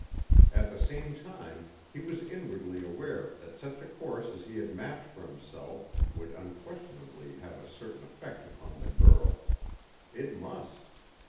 At the same time he was inwardly aware that such a course as he had mapped for himself would unquestionably have a certain effect upon the girl. It must.